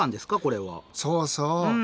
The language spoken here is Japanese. そうそう。